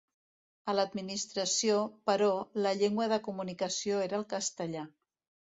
A l'Administració, però, la llengua de comunicació era el castellà.